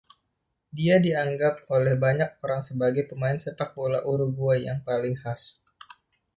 Dia dianggap oleh banyak orang sebagai pemain sepak bola Uruguay yang paling khas.